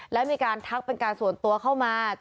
และมีการทักเป็นการส่วนตัวเข้ามา